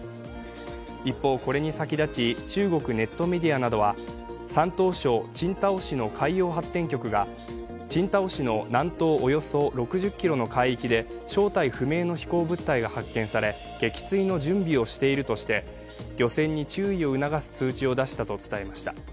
一方、これに先立ち中国ネットメディアなどは山東省青島市の海洋発展局が青島市の南東およそ６０ｋｍの海域で正体不明の飛行物体が発見され撃墜の準備をしているとして、漁船に注意を促す通知を出したと伝えました。